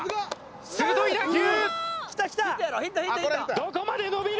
どこまで伸びる？